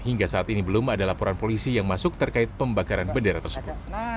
hingga saat ini belum ada laporan polisi yang masuk terkait pembakaran bendera tersebut